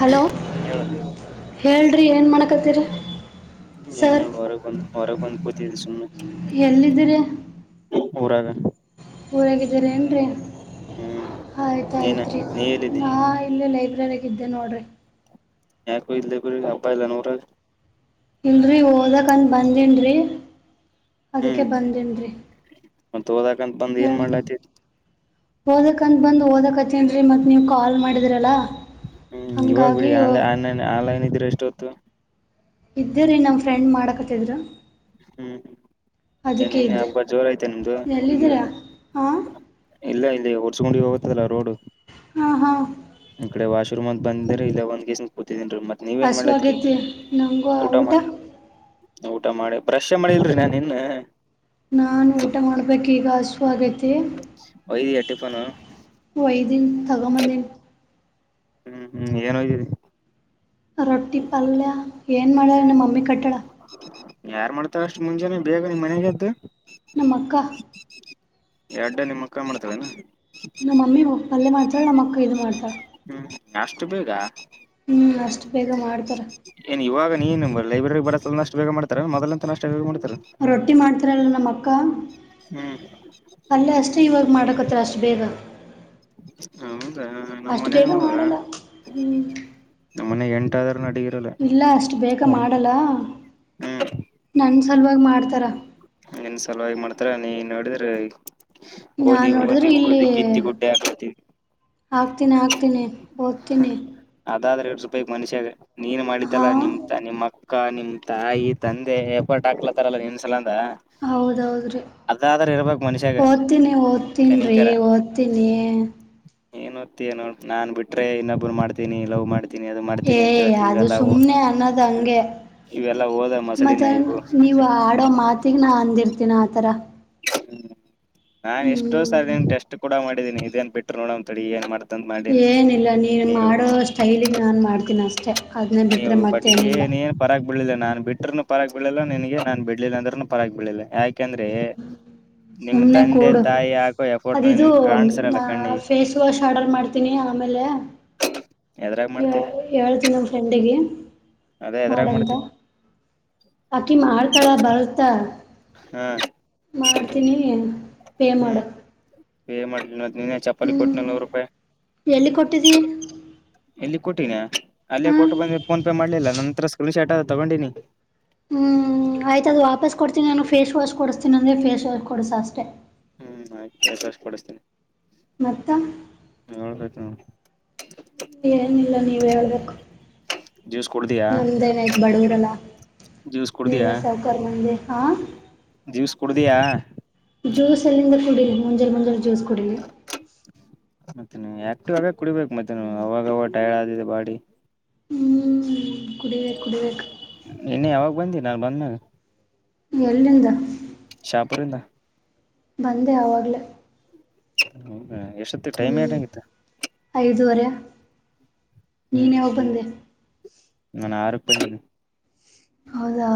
Hello ಹೇಳ ಹೇಳ್ರಿ ಏನ ಮಾಡಕತ್ತೀರಿ. ನ್ ಸರ್ ಹೊರಗೆ ಬಂದ ಹೊರಗೆ ಬಂದ ಕೂತಿದೆ ಸುಮ್ನೆ ಎಲ್ಲಿದ್ದೀರಿ ಊರಗ ಊರಾಗಿದೇರಿ ಏನ್ ರೀ ಹ್ಮ್ ಏನ ಆಯ್ತಾಯತ್ ರೀ ನೀ ಎಲ್ಲಿದ್ದಿ ನಾ ಇಲ್ಲಿ ಲೈಬ್ರರಿ ಇದ್ದೆ ನೋಡ್ರಿ. ಯಾಕ [unintelligible] ಹಬ್ಬ ಇಲ್ಲ ಏನ್ ಊರಾಗ. ಇಲ್ರರಿ ಓದಕ್ಂದ ಬಂದನ್ರರಿ. ಹ್ಮ್ ಅದಕ್ಕೆ ಬಂದನ್ರಿ ಮತ್ ಓದಾಕಂತ ಬಂದ್ ಏನ್ ಹೇಳ್ರಿ. ಮಾಡ್ಲತಿ ಓದಕ್ಂತ ಬಂದ್ ಓದಕ್ತ್ತನ್ರಿ ಮತ್ ನೀವ್ ಕಾಲ್ ಮಾಡಿದ್ರಲ್ಲಾ. ಹ್ಮ್ ಇವಾಗ್ ಬಿಡಿ ಆನ್ ಆನ್ಲೈನ್ ಆನ್ಲೈನ್ ಇದ್ರೆಷ್ಟೊ ಹೊತ್ತು. ಇದ್ದು ರೀ ನಮ್ಮ ಫ್ರೆಂಡ್ ಮಾಡಕತ್ತಿದ್ರ. ಹ್ಮ್ ಏನ್ ಅದಕ್ಕೆ ನಿನ್ನೆ ಇದ್ದೆ ಹಬ್ಬ ಜೋರ ಐತೆ ನಿಮ್ದು ಹುಡುಗಿ ಎಲ್ಲಿದ್ದೀರಾ ಹಾ. ಇಲ್ಲ ಇಲ್ಲ ಹೊಡ್ಸ್ಕೊಂಡಿ ಹೋಗುತ್ತಲ್ಲ ರೋಡ್. ಹಾ ಹಾ. ಈ ಕಡೆ ವಾಶ್ರೂಮ್ತ್ ಬಂದ್ರ ಇ ಒಂದ ಕೇಸ ಕೂತಿದನ್ರೀ ಮ ನೀವೇನ್ ಮಾಡ್ಲತ್ರಿ ಹಸುವಾಗೈತಿ ನನಗೂ ಊಟ ಮಾಡ ಊಟ ಮಾಡಿ ಭ್ರಶೆ ಮಾಡಿಲ್ರಿ ನಾನ್ ಇನ್ನ ನಾನ್ ಊಟ ಮಾಡ್ಬೇಕ್ ಈಗ ಹಸುವ ಆಗೈತಿ. ಒಯದಿಯ ಟಿಫನು. ಒಯದಿನ ತಗ ಬಂದಿನ. ಹ್ಮ್ ಹ್ಮ್ ಏನ್ ಹೋಗ್ದೀರಿ. ರೊಟ್ಟಿ ಪಲ್ಯ ಏನ್ ಮಾಡ ನಮ್ಮ ಮಮ್ಮಿ ಕಟ್ಟಳ. ಯಾರು ಮಾಡ್ತಾರ ಅಷ್ಟು ಮುಂಜಾನೆ ಬೇಗ ನಿಮ್ ಮನೆಯಾಗ ಎದ್ದು. ನಮ್ಮಕ್ಕ. ಎರಡ್ಡ ನಿಮ್ಮಕ್ಕ ಮಾಡ್ತಾಳ ಏನ. ನಮ್ಮಿ ಪಲ್ಲೇ ಮಾಡ್ತಳ ನಮ್ಮ ಅಕ್ಕ ಇದ ಮಾಡತಾಳ. ಹ್ಮ್ ಅಷ್ಟು ಬೇಗ. ಹ್ಮ್ ಅಷ್ಟು ಬೇಗ ಮಾಡ್ತಾರ. ಏನ್ ಇವಾಗ ನೀನು ಲೈಬ್ರೆರಿ ಬಡಸಲ್ಲ ಅಷ್ಟು ಬೇಗ ಮಾಡತಾರ ಮೊದಲ ಅಂತ ಅಷ್ಟು ಬೇಗ ಮಾಡ್ತಾರ. ರೊಟ್ಟಿ ಮಾಡ್ತಾರಲ್ಲ ನಮ್ಮ ಅಕ್ಕ. ಹ್ಮ್. ಪಲ್ಯ ಅಷ್ಟೇ ಇವಾಗ ಮಾಡೋಕತ್ತತ್ರ ಅಷ್ಟು ಬೇಗ. ಹೌದಾ ನಮ್ಮ ಅಷ್ಟು ಬೇಗ ಮನಿಯಾಗು. ಮಾಡಲ್ಲ [unintelligible] ನಮ್ಮ ಮನಿಯಾಗ ಎಂಟಾದ್ರೂನು ಅಡಗಿ ಇಲ್ ಇಲ್ಲ ಅಷ್ಟು ಬೇಗ ಮಾಡಲ್ಲ ನನ್ನ ಸಲುವಾಗಿ ಮಾಡ್ತಾರ. ನಿನ್ನ ಸಲುವಾಗ ಮಾಡ್ತಾರ ನೀ ನೋಡಿದ್ರಿ ಈ ನಾನು ಓದಿ ನೋಡಿದ್ರೆ ಓದಿ ಓದಿ ಕಿತ್ತ ಗುಡ್ಡೆ ಹಾಕತಿ. ಆಕ್ತೀನಿ ಆಕ್ತೀನಿ ಓದ್ತೀನಿ. ಅದಾದ್ರ ಎರಡ್ ರೂಪಾಯಿಕ್ ಮನುಷ್ಯಾಗ ನೀನ್ ಮಾಡಿತಲ್ಲಾ ಹಾಂ ನಿಮ್. ನಿಮ್ಮ್ ಅಕ್ಕ ನಿಮ್ ತಾಯಿ ತಂದೆ ಎಪರ್ಟ್ ಹಾಕ್ಲತ್ತಾರಲ್ಲ ನಿನ್ಸಲಂದ. ಹೌದೌದ ರೀ. ಅದಾದ್ರ ಇರಬೇಕ ಮನುಷ್ಯಾಗ ಓದ್ತೀನಿ ಓದ್ತೀನ್ರೀ ಕನಿಕರ ಓದ್ತೀನಿ. ಏನ್ ಓದತ್ತಿನೋ ನೋ ನಾನ್ ಬಿಟ್ರೆ ಇನ್ನೊಬ್ಬರು ಮಾಡ್ತೀನಿ ಲವ್ ಮಾಡ್ತಿ ನಿ ಅದು ಏ ಮಾಡ್ತೀನಿ ಅಂತ ಹೇಳತಿ ಅದು ಇವೆಲ್ಲವು. ಸುಮ್ನೆ ಅನ್ನೋದ್ ಹಂಗೆ ಇವೆಲ್ಲಾ ಓದೋ ಮಸಡಿನ ಇವು. ಈಗ ನಾ ಅಂದಿರ್ತೀನ ಆತರ ಹ್ಮ್. ಎಷ್ಟ ಸ ಟಸ್ಟ್ ಕೂಡ ಮಾಡಿದಿನಿ ಇದೇನ್ ಬಿಟ್ಟರು ನೋಡ ಏನ್ ಮಾಡ ಏನಿಲ್ಲ ನೀನು ಮಾಡೋ ಸ್ಟೈಲಿಂಗ್ ನಾನು ಮಾಡ್ತೀನಿ ಅಷ್ಟೆ ಅದನ್ನೇ ಬಿಟ್ಟರೆ ಮತ್ತೇನಿಲ್ಲ. ಪರಾ ಬಿಡ್ಲಿಲ್ಲ ನಾನ್ ಬಿಟ್ಟ್ರೂ ಪರಕ್ ಬಿಲಿಲ್ಲ ನನ್ಗೆ ನಾನ್ ಬಿಡ್ಲಿಲ್ಲ ಅಂದ್ರೂ. ಪರ ಆಗ್ಬಿಳಿಲ್ಲ ಯಾಕೆಂದ್ರೆ. ನಿಮ್ ಸುಮನೆ ತಂದೆ ಕೂಡು ತಾಯಿ ಹಾಕೋ ಎಫೋರ್ಟ್ ಅದ ಇದು ನಿನ್ ಕಾಣ್ಸಿರಲ್ಲ ಕಣ್ಣಿಗೆ ಫೇಸ್ ವಾಶ್ ಆರ್ಡರ್ ಮಾಡ್ತ. ತಿನಿ ಆಮೇಲೆ. ಎದ್ರಾಗ ಮಾಡ್ತಿ. ಹೇಳ್ತೀನಿ ನಮ್ಮ ಫ್ರೆಂಡಿಗೆ ಅದೇ ಎದ್ರಾಗ ಮಾಡಂತ. ಮಾಡ್ತಿ ಅಕ್ಕಿ ಮಾಡ್ತಾಳ ಬರ್ತಾ. ಹ್ಮ್ ಮಾಡ್ತೀನಿ ಪೇ ಮಾಡ. ಹ್ಮ್ ಪೇ ಮಾಡ್ ನೀನ ಚಪಾತಿ ಕೊಟ್ಟನ ಹ್ಮ್ ನೂರು ರೂಪಾಯಿ. ಎಲ್ಲಿ ಕೊಟ್ಟಿದ್ದಿ. ಇಲ್ಲಿ ಕೊಟ್ಟೀನಿ ಅಲ್ಲೇ ಹಾ ಕೊಟ್ಟು ಬಂದೆ ಫೋನ್ ಪೇ ಮಾಡ್ಲಿಲ್ಲ ನನ್ನತ್ರರ ಸ್ಕ್ರೀನ್ ಶರ್ಟ್ ಅ ತಗೊಂಡಿನಿ. ಹ್ಮ್ ಆಯ್ತದು ವಾಪಸ್ ಕೊಡ್ತೀನಿನು ಫೇಸ್ ವಾಶ್ ಕೊಡಸ್ತನಿ ಅಂದೆ ಫೇಸ್ ವಾಸ್ ಕೊಡಸ ಅಷ್ಟೇ. ಹ್ಮ್ ಆಯ್ತುಷ್ಟ ಪಡಿಸತೀನನೆ. ಮತ್ತು ಹೇಳಬೇಕ ನೀವು. ಏನಿಲ್ಲ ನೀವ ಹೇಲ ಬೇಕು..... ಜ್ಯೂಸ್ ಕುಡ್ದಿಯಾ ನಮ್ದೇನಾಯ್ತು ಬಡವರೆಲ್ಲಾ. ಜ್ಯೂಸ್ ನೀವ್ ಕುಡ್ದಿಯಾ ಏನ್ ಸಾವಕರ ಮಂದಿ ಹಾ. ಜ್ಯೂಸ್ ಕುಡದಿಯಾ. ಜ್ಯೂಸ್ ಎಲ್ಲಿಂದ ಕುಡಿಲಿ ಮುಂಜೆ ಮುಂಜೆ ಜ್ಯೂಸ್ ಕುಡಿಲಿ. ಮತ್ತೆ ನೀ ಆಕ್ಟಿವ್ ಆಗ ಕುಡಿಬೇಕು ಮತ್ತೆ ಅವಾಗವಾಗ ಟೈರ್ಡ್ ಆದೆ ಬಾಡಿ. ಹ್ಮ್ ಕುಡಿಬೇಕ ಕುಡಿಬೇಕು. ಇನ್ನ ಯಾವಾಗ ಬಂದಿ ನಾನ್ ಬಂದಾಗ. ಎಲ್ಲಿಂದ. ಶಾಪುರಿಂದ. ಬಂದೆ ಅವಾಗಲೇ. ಹ್ಮ ಎಷ್ಟತ್ತ ಟೈಮ್ ಏಟಾಗಿತ್ತು. ಐದುುವರೆ. ಹ್ಮ್ ಹ್ಮ್ ನಾನು ಆರಕ ಬಂದೆ. ಹೌದಾ...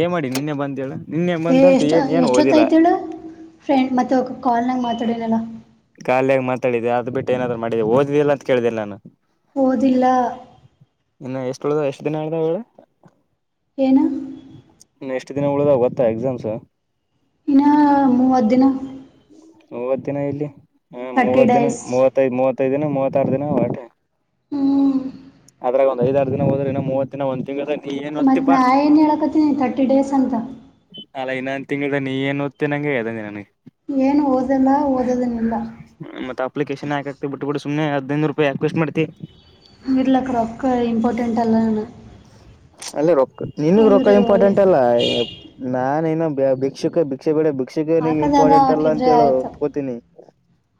ಏ ಮಾಡಿ ನಿನ್ನೆ ಬಂದ ಹೇಳ. ನಿನ್ನೆ ಏ ಬಂದಂತ ಎಷ್ಟು ಏನ್ ಏನ್ ಓದಿಲ್ಲ ಎಷ್ಟೊತ್ತಾಯತಿಳ ಫ್ರೆಂಡ್ ಮತ್ತುತ್ತ ಕಾಲ್ನಾಗ ಮಾತಾಡನಲ್ಲ. ಕಾಲಯಾಗಿ ಮಾತಾಡಿದೆ ಅದು ಬಿಟ್ಟು ಏನಾದ್ರು ಮಾಡಿದ್ದಿದೆ ಓದಿಲ್ಲ ಅಂತ ಕೇಳ್ದಿಲ್ಲ ನಾನು. ಓದಿಲ್ಲಾ. ಇನ್ನ ಎಷ್ಟು ಉಳ್ದ ಎಷ್ಟ್ ದಿನಾ ಅದವಾ ಹೇಳು. ಏನ್? ಇನ್ನು ಎಷ್ಟ್ ದಿನ ಉಳಿದಾವ ಗೊತ್ತಾ ಎಕ್ಸಾಮ್ಸ್. ಇನ್ನು ಮೂವತ್ತು ದಿನ. ಮೂವತ್ ದಿನ ಇಲ್ಲಿ ಹ ತರ್ಟಿ ಮೂವತ್ ದಿನ ಡೇಸ್ ಮೂವತ್ತೈ ಮೂವತ್ತೈ ದಿನ ಮೂವತ್ತಾರು ದಿನ ಹೊಟೆ. ಹ್ಮ ಅದಾರಗ ಒಂದ ಐದಾರ ದಿನ ಹೋದ್ರ ಇನ್ನು ಮೂವ ದಿನ ಒಂದ ತಿಂಗಾಲದಾಗ. ಮತ್ತ ನಾನ ಏನ್ ಹೇಳಕತ್ತೀನಿ ತರ್ಟಿ ಡೇಸ್ ಅಂತ. ಅಲ್ಲ ಇನ್ನೊಂದ ತಿಂಗಳದಾಗ್ ನೀ ಏನ್ ಓತಿ ನಂಗೆ ಹೇಳ್ ನಗ. ಏನು ಓದಲ್ಲ ಓದದನಿಲ್ಲ. ಮತ್ತ ಅಪ್ಲಿಕೇಶನ್ ಹಾಕಕ ಬಿಟ್ಬಿಡು ಸುಮ್ನೆ ಹದಿನೈದುನುರೂಪಾಯಿ ಯಾಕ್ ವೇಸ್ಟ್ ಮಾಡತಿ. ಇರ್ಲಕ ರೊಕ್ಕ ಇಂಪಾರ್ಟೆಂಟ್ ಅಲ್ಲ ನನಗ. ಅಲ್ಲಿ ರೊಕ್ಕ ನಿನ್ಗ್ ರೊಕ್ಕ ಹೋಗ್ಲಿ ಇಂಪಾರ್ಟೆಂಟ್ ಅಲ್ಲ ನಾನ್ ಏನ ಬೇ ಭಿಕ್ಷುಕ ಬೀ ಭಿಕ್ಷೆಗಡೆ ಭಿಕ್ಷೆಗೆನ ಹಾಕದಾದ ಇಂಪಾರ್ಟೆಂಟ್ ಅಲ್ಲ ಅಂತೇಳ ಒಪ್ಕೋತೀನಿ.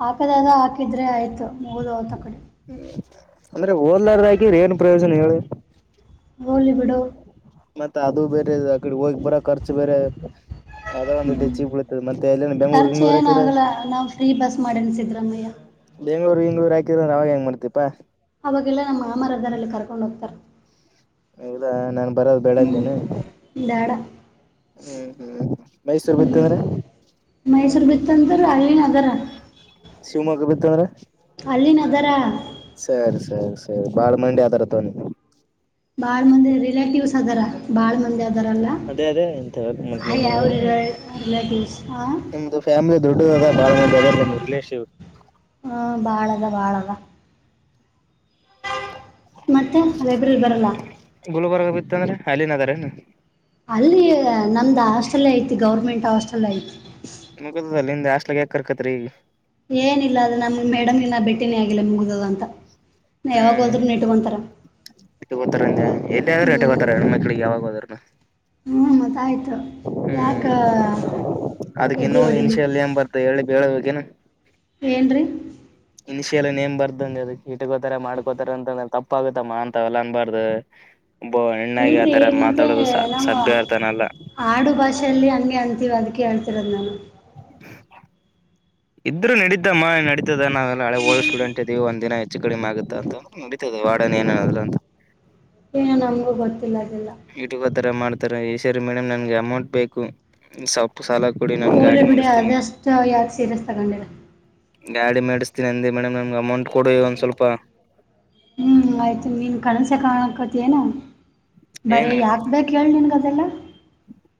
ಹಾಕದಾಗ ಹಾಕಿದ್ರೆ ಆಯಿತು ಮುಗಿದ ಹೋತ ಅಕಡೆ. ಅಂದ್ರೆ ಓದ್ಲಾರ್ದ ಹಾಕಿದ್ರ ಏನ್ ಪ್ರಯೋಜನ ಹೇಳು. ಹೋಲಿ ಬಿಡೋ. ಮತ್ತೆ ಅದು ಬೇರೆ ಅಕಡೆ ಹೋಗಿ ಬರ ಖರ್ಚು ಬೇರೆ. ಅದ ಒಂದಿಟು ಹೆಚ್ಚಿಗ್ ಬಿಳಿತದ ಮತ್ತೆ ಎಲ್ಯನ ಬೆಂಗಳೂರು ಖರ್ಚು ಗಿಂಗ್ಳೂರು ಹತಿರ. ಏನಾಗಲ್ಲ ನಾವು ಫ್ರೀ ಬಸ್ ಮಾಡೀನಿ ಸಿದ್ದರಾಮಯ್ಯ ಬೆಂಗಳೂರು ಗಿಂಗ್ಳೂರು ಹಾಕಿದ್ರ ಅವಾಗ ಹೆಂಗ ಮಾಡ್ತೀಯಪ. ಅವಾಗೆಲ್ಲಾ ನಮ್ಮ ಮಾಮರದರಲಾ ಕರ್ಕೊಂಡು ಹೋಗ್ತಾರ. ಇಲ್ಲಾ ನಾನ್ ಬರದು ಹ್ಞೂ ಬೆಳಂದೇನ ಬೇಡ ಹ್ಮ್ ಹ್ಮ್ ಮೈಸೂರು ಬಿತ್ತು ಹ್ಞೂ ಅಂದ್ರ. ಮೈಸೂರು ಬಿತಂದ್ರ ಅಲ್ಲಿನು ಅದರ. ಶಿವಮೊಗ್ಗ ಬಿತ್ತ ಅಂದ್ರ. ಅಲ್ಲಿನದರ. ಸರಿ ಸರಿ ಸರಿ ಬಾಳ್ ಮಂಡಿ ಆದರ ತಗ ನಿಮಗ. ಬಾಳ್ ಮಂದಿ ರಿಲೇಟಿವ್ಸ್ ಅದಾರ ಬಾಳ್ ಮಂದ ಒಂದೆದಾರಲ್ಲ ಅದೇ ಅದೇ ಎಂತ ಮತ್ ಹಯ ನಿಮ್ ಅವರು ರಿಲೇಟಿವ್ಸ್. ಹಾ ನಿಮ್ದು ಫ್ಯಾಮಿಲಿ ದೊಡ್ಡದಾದ ಬಾಳ ಮಂದಿ ಅದರ ನಿಮ್ ರಿಲೇಷಿವ್. ಹಾ ಬಾಳದ ಬಾಳದ. ಮತ್ತೆ ಲೈಬ್ರರಿ ಬರಲ್ಲ. ಗುಲ್ಬರ್ಗ ಬಿತ್ತ ಅಂದ್ರ ಅಲ್ಲಿನು ಆದರೇನು. ಅಲ್ಲಿ ನಮ್ದ್ ಹಾಸ್ಟೆಲ್ ಐತಿ ಗೌರ್ಮೆಂಟ್ ಹಾಸ್ಟೆಲ್ ಐತಿ. ಮುಗ್ದದಲ ನಿಂದ ಹಾಸ್ಟೆಲಾಗ ಯಾಕ್ ಕರ್ಕಾತರ ಈಗ. ಏನಿಲ್ಲ ಅದು ನಮಗ ಮೇಡಮ್ ಇನ್ನ ಬೇಟಿನೇ ಆಗಿಲ್ಲ ಮುಗಿದದ ಅಂತ. ನಾ ಯಾವಾಗ್ ಹ್ಮ್ ಹೋದ್ರುನು ಇಟ್ಕೊಂತಾರ ಇಟ್ಗೋತರ ಅಂದೆ ಎಲ್ಲಾದ್ರೂ ಇಟ್ಗೋತರ ಹೆಣ್ಮಕ್ಳಿಗೆ ಯಾವಾಗೋದ್ರೂನು. ಹ್ಞ ಮತ್ತ ಆಯ್ತು ಯಾಕ ಹ್ಮ್ ಅದಕ್ ಏದೀ ಇನ್ನೊಂದು ಹೊಡಿಲಿ. ಇನ್ಷಿಯಲ್ [unintelligible] ಏನ್ರೀ. ಇನಿಶಿಯಲ್ ನೇಮ್ ಬರ್ದ ಅಂದ ಇಟ್ಕೋತಾರೆ ಮಾಡ್ಕೋತಾರೆ ಅಂತಂದ್ರೆ ತಪ್ಪ ಆಗುತ್ತಮ್ಮ ಅಂತವಲ್ಲ ಅನ್ಬಾರ್ದು. [inaudible] ಒಬ್ಬ ಹೆಣ್ಣಾಗಿ ಇಲ್ರಿ ಆತರ ಮತ್ತೆ ಮಾತಾಡೋದು ಸ ನಮ್ಮ ಸಭ್ಯ ಆರ್ತಾನಲ್ಲ. ಆಡು ಭಾಷೆಯಲ್ಲಿ ಹಂಗೆ ಅಂತೀವಿ ಅದಿಕ್ಕೆ ಹೇಳ್ತಿರೋದು ನಾನು. [inaudible] ಇದ್ರು ನಡೀತಮ ನಡಿತದ ನಾವೆಲ್ಲ ಹಳೆ ಓಲ್ಡ್ ಸ್ಟೂಡೆಂಟ್ ಇದ್ದೀವಿ ಒಂದ ದಿನ ಹೆಚ್ಚು ಕಡಿಮೆ ಆಗುತ್ತ ಅಂತ ನಡೀತದ ವಾರ್ಡನ್ ಏನಾದ್ರೂ ಅಂತ. ಏನ ನಮಗೂ ಗೊತ್ತಿಲ್ಲಅದೆಲ್ಲಾ. ಯೂಟ್ಯೂಬರ್ ಥರ ಮಾಡ್ತಾರೆ ಈ ಸರಿ ಮೇಡಮ್ ನನ್ಗೆ ಅಮೌಂಟ್ ಬೇಕು. ಸ್ವಲ್ಪ ಸಾಲ ಕೊಡಿ ನನ್ ಹೋಗ್ಲಿ ಗಾಡಿ ಬಿಡಿ ಮಾಡಿಸ್ತೀನಿ. ಅದಷ್ಟು ಯಾಕೆ ಸೀರಿಯಸ್ ತಗೊಂಡಿಲ್ಲ ಗಾಡಿ ಮಾಡಿಸ್ತೀನಿ ಅಂದ ಮೇಡಮ್ ನಮ್ಗೆ ಅಮೌಂಟ್ ಕೊಡಿ ಒಂದ್ ಸ್ವಲ್ಪ. ಹ್ಮ್ ಆಯ್ತು ನೀನ್ ಕನ್ಸ ಕಾಣಕತಿ ಏನು ಬರೇ ಏನು ಯಾಕ ಬೇಕು ಹೇಳು ನಿನ್ಗ ಅದೆಲ್ಲಾ.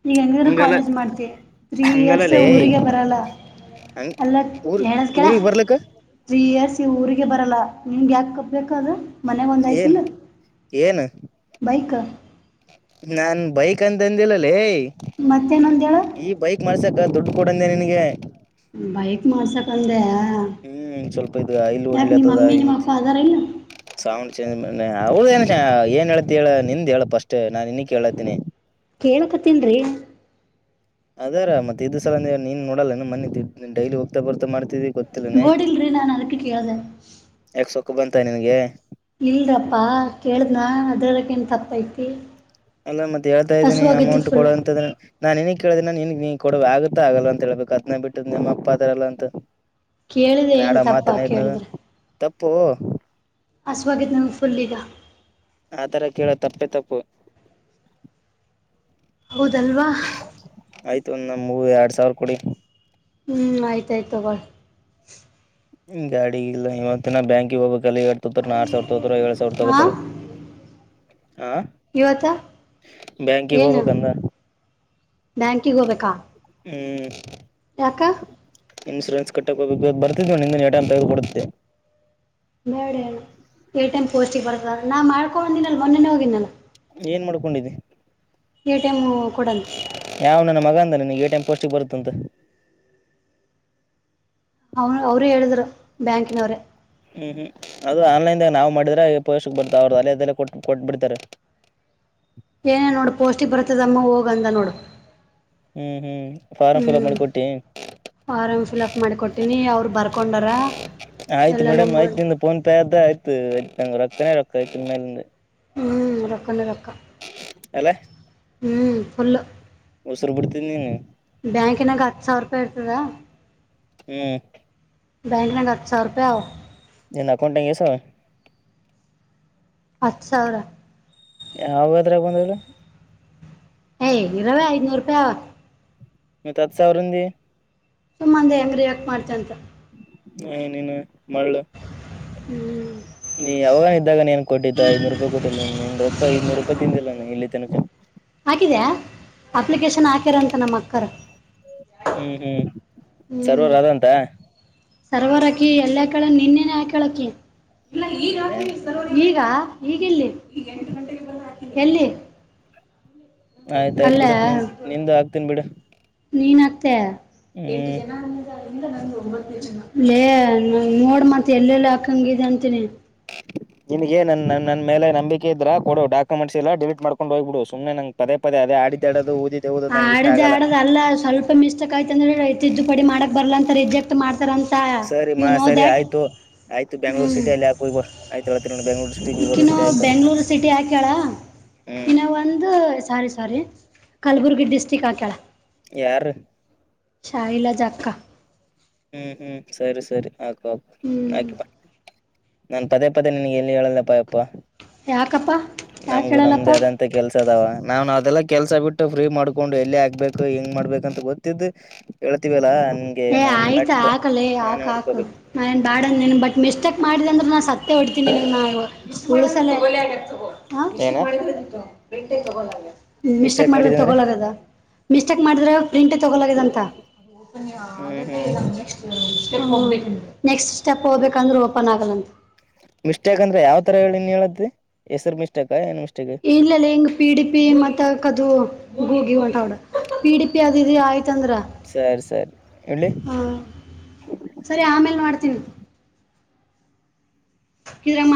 ಈಗ ಹೆಂಗಿದ್ರು ಹಂಗಲ್ಲ ಕಾಲೇಜ್ ಮಾಡ್ತಿ ತ್ರೀ ಇಯರ್ಸ್ ಹಂಗಲ್ಲಲೇ ಊರಿಗೆ ಬರಲ್ಲ. ಹಂಗ ಅಲ್ಲ ಊರ್ ಹೇಳದ್ ಕೇಳ್ ಊರಿಗ್ ಬರ್ಲಕ್ಕ ತ್ರೀ ಇಯರ್ಸ್ ಈ ಊರಿಗೆ ಬರಲ್ಲ ನಿಮ್ಗೆ ಯಾಕೆ ಕಪ್ಬೇಕು ಅದು. ಮನೆಗೆ ಒಂದು ಏನ್ ಐತಿಲ್ಲ ಏನ್. ಬೈಕ್. ನಾನ್ ಬೈಕ್ ಅಂತ ತಂದಿಲ್ಲಲೇ. ಮತ್ತೇನ ಅಂದಿ ಹೇಳು. ಈ ಬೈಕ್ ಮಾಡ್ಸಕ ದುಡ್ಡು ಕೊಡಂದೆ ನಿನಗೆ. ಬೈಕ್ ಮಾಡ್ಸಕ್ ಅಂದೇ. ಹ್ಮ್ ಸ್ವಲ್ಪ ಇದ ಆಯಿಲ್ ಒಡ್ಲಿ ಆತದ ಮಮ್ಮಿ ಇಂ ನಿಮ್ಮ ಅಪ್ಪ ಅದಾರ ಇಲ್ಲ ಸಾವಂಡ ಚಂದ ಅವ ಏ ಏನ್ ಹೇಳಳ್ತಿ ಹೇಳ ನಿಂದ ಹೇಳ ಫಸ್ಟ್ ನಾನ್ ಇನ್ನಿಕ್ ಹೇಳತೀನಿ. ಕೇಳಕತ್ತೀನ್ರಿ. ಅದೇರ ಮತ್ತ ಇದ್ ಸಲ ನೀನ್ ನೋಡಲ್ಲ ಮಿ ಡೈಲಿ ಹೋಗತಾ ಬರ್ತಾ ಮಾಡ್ತ ನೋಡಿಲ್ರಿ ನಾನ ಅದಕ್ಕೆ ಕೇಳಿದೆ. ಯಾಕ್ ಸೊಕ್ಕ ಬಂತ ನಿನ್ಗೆ. ಇಲ್ರಪ್ಪಾ ಕೇಳ್ದನಾ ಅದ್ರಲ್ಲಕ್ಕ ನ್ ತಪ್ಪ ಐತಿ. ಅಲ್ಲ ಮತ್ತೆ ಹೇಳ್ತಾ ಇದ್ದೀನಿ ಅಮೌಂಟ್ ಫುಲ್ ಕೊಡಂತ್ರ. ನಾನ್ ನಿನಗ್ ಕೇಳಿದ್ದಿ ನಿನ್ ನೀ ಕೊಡ ಆಗುತ್ತಾ ಆಗಲ್ಲ ಅಂತೇಳ್ಬೇಕು ಅದನ್ನ ಬಿಟ್ಟಿದು ನಿಮ್ಮಪ್ಪ ಅದಾರಲ್ಲ ಅಂತ. ಕೇಳಿದೆ ಇನ್ ಏನ್ ಆಡ ತಪ್ಪ ಮಾತಾನ ಇದನ ಕೇಳಿದ್ರೆ ತಪ್ಪು. ಹಸ್ವ ಆಗೆತ ನನಗ ಫುಲ್ ಈಗ. ಆ ತರ ಕೇಳೋದ ತಪ್ಪೇ ತಪ್ಪು. ಹೌದಲ್ವಾ. ಆಯ್ತು ಒಂದ ನಮ್ಮ್ಗು ಎರಡ್ ಸಾವಿರ ಕೊಡಿ. ಹ್ಮ್ ಆಯ್ತಾಯ್ತ ತಗೋಳಿ. ಗಾಡಿ ಇಲ್ಲ ಇವತ್ತ ನ ಬ್ಯಾಂಕಿಗೆ ಹೋಗಬೇಕ ಅಲ್ಲಾ ಇವತ್ತ್. ಆರ್ ಸಾವಿರ ತಗತಾರ ಏಳ್ ಸಾವಿರ ಹಾ ತಗೋತಾರ ಹ. ಇವತ್ತ ಏನು ಹೋಗ್ಬೇಕಂದ ಬ್ಯಾಂಕಿಗೆ ಹೋಗ್ಬೇಕಾ. ಹ್ಮ್. ಯಾಕ್. ಇನ್ಶೂರೆನ್ಸ್ ಕಟ್ಟಕ್ಕೆ ಹೋಗಬೇಕು ಬರ್ತಿದವ ನಿ ಎಡ ತಗದ ಕೊಡತಿದ್ದೆ. ಬೇಡಣ್ಣ ಎ ಟೈಮ್ ಪೋಸ್ಟಿಗೆ ಬರ ಸರ್ ನಾ ಮಾಡ್ಕೊಂಡಿನ ಅಲ್ಲಿ ಮೊನ್ನೆೇನೆ ಹೋಗಿದ್ದಿನಾ. ಏನ್ ಮಾಡ್ಕೊಂಡಿದ್ದಿ. ಎ ಟಿ ಎಮ್ ಕೊಡಂತ. ಯಾವ್ ನನ್ನ ಮಗ ಅಂದ ನಿಂಗ ಎ ಟಿ ಎಂ ಪೋಸ್ಟಿ ಬರುತ್ತ ಅಂತ. ಅವನು ಅವರು ಹೇಳಿದ್ರು ಬ್ಯಾಂಕಿನವ್ರೇ. ಹ್ಮ್ ಹ್ಮ್ ಅದು ಆನ್ಲೈನ್ದಾಗ ನಾವು ಮಾಡಿದ್ರೆ ಪೋಸ್ಟಿಗೇ ಬರ್ತ ಅವ್ರರು ಅಲೆದಲ್ಲೇ ಕೊಟ್ಟಟ್ಬ ಬಿಡ್ತಾರೆ. ಏನೇ ನೋಡು ಪೌಷ್ಟಿಕ್ ಬರ್ತದ ಅಮ್ಮ ಹೋಗ ಅಂತ ನೋಡ. ಹ್ಮ್ ಹ್ಮ್ ಫಾರ್ಮ್ ಫಿಲ್ಪ್ ಮಾಡಿ ಕೊಟ್ಟಿ. ಫಾರಂ ಫಿಲ್ಅಪ್ ಮಾಡಿಕೊಟ್ಟೀನಿ ಅವ್ರು ಬರ್ಕೊಂಡರ ಎಲ್ಲ ಆಯ್ತ್ ನಿಂದ ಫೋನ್ ಪೆ ಆಯ್ತುತ ರೊಕ್ಕನೇ ರೊಕ್ಕ ಆಐತ ಮೇಲೆ ಹ್ಞ ರೊಕ್ಕನ ರೊಕ್ಕ ಅಲ್ಲ ಹ್ಞ ಫುಲ್ಲು. ಉಸಿರು ಬಿಡ್ತಿದ್ದ ನೀನು. ಬ್ಯಾಂಕಿನಾಗ ಹತ್ತು ಸಾವಿರ ರೂಪಾಯಿ ಇರ್ತದ. ಹ್ಮ್. ಬ್ಯಾಂಕ್ ನ್ಯಾಗ ಹತ್ತ ಸಾವರ ರೂಪಾಯ ಅವ. ಏನ ಅಕೌಂಟ್ನ್ಯಾಗ ಎಸ ಅವ. ಹತ್ತು ಸಾವರ ಯಾವಾದ್ರಾಗ ಬಂದ್ ಹೇಳ್ ಏ ಇರೋದೆ ಐದ್ನೂರು ರೂಪಾಯಿ ನೀ ಹತ್ತ್ ಸಾವರ ಇಂದ್ದೀ ಸುಮ್ಮ್ ಅಂದೆ ಹೆಂಗ್ ರಿಯಾಕ್ಟ್ ಮಾಡ್ತೀ ಅಂತ. ಹೇ ನಿನ್ನು ಮಾಳ. ಹ್ಮ್ ನೀ ಎಲ್ಲಾ ಇದ್ದಾಗ ನೀನ್ ಕೊಟ್ಟಿದ್ದ ಐದನೂರು ರೂಪಾಯಿ ಕೊಟ್ಟಿಲ್ಲ ನಿನ್ ರೊಕ್ಕ ಐದನೂರು ರೂಪಾಯಿ ತಿಂದಿಲ್ಲಾ ನಾ ಇಲ್ಲಿ ತನಕ. ಹಾಕಿದ್ಯಾ ಅಪ್ಲಿಕೇಶನ್ ಹಾಕ್ಯರಂತ ನಮ್ಮ ಅಕ್ಕರ. ಹ್ಮ್ ಹ್ಮ್ ಹ್ಞೂ ಸರ್ವರ್ ಅದ್ದಾಂತ. ಸರ್ವರ್ ಆಕಿ ಎಲ್ಲ್ ಹಾಕ್ಯಳ ನೆನ್ನೇನೆ ಹಾಕ್ಯಾಳ್ ಆಕಿ ಇಲ್ಲ ಈಗ ನಿನ್ನೆ ಹಾಕಿನಿ ಸರ್ವರ್ ಈಗ ಈಗೆಲ್ಲಿ ಈಗ ಎಂಟು ಗಂಟೆ ಬಂದು ಹಾಕಿನಿ ಎಲ್ಲಿ ಆಯ್ತಾಯ್ತ್ ಬಿಡು ನಿನ್ ಕಲ್ಲ ನಿಂದೂ ಆಕ್ತೀನಿ ಬಿಡು. ನೀನ್ ಆಕ್ತ್ ಎಂಟು ಹ್ಮ್ ಜನ ಲ್ಲೇ ನ ನೋಡ್ ಮತ್ ಎಲ್ಲೆಲ್ಲೋ ಹಾಕಂಗಿದ ಅಂತೀನಿ. [unintelligible] ನಿಮಗೆ ನನ್ನ ನನ್ನೇಲೆ ನಂಬಿಕೆ ಇದ್ರೆ ಕೊಡು ಡಾಕ್ಯುಮೆಟ್ಸ್ ಎಲ್ಲಾ ಡಿಲೀಟ್ ಮಾಡಕೊಂಡು ಹೋಗಿಬುಡು ಸುಮ್ಮನೆ ನಂಗ್ ಪದೇ ಪದೇ ಅದೆ ಆಡಿದ್ ಆಡದು ಊದಿದ್ ಆಡ್ದ್ ಆಡದೇ ಅಲ್ಲ ಸ್ವಲ್ಪ ಮಿಸ್ಟೇಕ್ ಆಯತ್ ಅಂದ್ರೆ ತಿದ್ದುಪಡಿ ಮಾಡಕ್ ಬರಲ್ಲಾ ಅಂತ ರಿಜೆಕ್ಟ್ ಟ್ ಮಾಡ್ತಾರಂತ. ಯು ಸರಿನಾ ನೋ ಸರಿ ದ್ಯಾಟ್ ಆಯ್ತು ಆಯ್ತು ಬೆಂಗಳೂರು ಹ್ಮ್ ಸಿಟಿಯಲ್ಲಿ ಹಾಕಹೋಗ ಬಾ ಆಯ್ತು ಹ ನೋ ಬೆಂಗಳೂರು ಸಿಟಿ ಗುಲ್ಬರ್ಗ ಇಕ್ಕಿನ ಸಿಟಿ ಆಗಿ ಬಂದ್ ಬೆಂಗಳೂರು ಸಿಟಿ ಹಾಕ್ಯಾಳ ಹ್ಮ್ ಇನ್ನವ ಒಂದು ಸಾರಿ ಸಾರಿ ಕಲಬುರ್ಗಿ ಡಿಸ್ಟ್ರಿಕ್ ಹಾಕ್ಯಾಳ. ಯಾರ್ ಶಾಯಿಲ ಜಗಕ್ಕಾ ಹ್ಮ್ ಹ್ಮ್ ಸರಿ ಸರಿ ಹಾಕು ಹಾಕು ಹ್ಮ್ ಹಾಕಿ ಬಾ. ನಾನ್ ಪದೇ ಪದೇ ನನಿಗೆ ಏನೂ ಹೇಳಲ್ಲಪ್ಪಯಪ್ಪ ಯಾಕಪ್ಪ ಯಾಕೆ ನಮಗು ನಮ್ದ ಹೇಳಲ್ಲಪ್ಪ ಅದಂತ್ ದಂತ್ತ ಕೆಲಸ ಅದಾವ ನಾನ್ ಅದೆಲ್ಲಾ ಕೆಲಸ ಬಿಟ್ಟು ಫ್ರೀ ಮಾಡ್ಕೊಂಡು ಎಲ್ಲಿ ಆಗ್ಬೇಕು ಹೆಂಗ್ ಮಾಡ್ಬೇಕಂತ ಗೊತ್ತಿದ್ದೂ ಹೇಳ್ತೀವಿ ಅಲ್ಲಾ ನೀ ಏ ಆಯ್ತಾ ಹಾಕಲೇ ಹಾಕ್ ಹಾಕ್ ನಾನ್ ಬಾಡಂದ್ ನನ್ ಬಟ್ ಮಿಸ್ಟೇಕ್ ಮಾಡಿದೆ ಅಂದ್ರೆ ನಾ ಸತ್ತೆ ಹೊಡ್ತೀನಿ ನಿನ್ಗ್ ನಾವ್ ಒಲೆ ಆಗ ತಗೋಷ್ಟ ಏನ ಮಾಡಿದ್ರ ಗಂಟೆ ತಗೋಳಲ್ಲ. ಮಿಸ್ಟೇಕ್ ಮಾಡ್ರೆ ಮಾಡಿದ ಅಂದ್ರೆ ತಗೊಳದ ಮಿಸ್ಟೇಕ್ ಮಾಡಿದ್ರೆ ಪ್ರಿಂಟ್ ತಗೊಲದಂತ. ಹ್ಮ್ ಹ್ಮ್ ನೆಕ್ಸ್ಟ್ ಸ್ಟೇಪ್ ಹೋಗಬೇಕಾಂದ್ರೂ ನೆಕ್ಸ್ಟ್ ಸ್ಟೆಪ್ ಹೋಗ್ಬೇಕಂದ್ರೂ ಓಪನ್ ಆಗಲ್ಲಂತೆ. ಮಿಸ್ಟೇಕ್ ಅಂದ್ರೆ ಯಾವ್ ತರ ಹೇಳಿನ್ ಹೇಳತಿ ಹೆಸರು ಮಿಸ್ಟೇಕ ಏನ್ ಮಿಸ್ಟೇಕು ಇಲ್ಲಲ್ಲ ಹೀಗೆ ಪಿ ಡಿ ಪಿ ಮತ್ತು ಹಾಕದು ಹಗ ಹೋಗಿ ಒಂಟ ಹೌಡ ಪಿ ಡಿ ಪಿ ಅದಿದ್ ಆಯ್ತಂದ್ರೆ. ಸರಿ ಸರಿ ಇಲ್ಲಿ ಹಾ ಸರಿ ಆಮೇಲೆ ಮಾಡ್ತೀನಿ. ಇದ್ರ ಮಾ